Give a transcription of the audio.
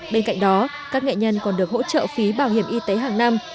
bên cạnh đó các nghệ nhân còn được hỗ trợ phí bảo hiểm y tế hàng năm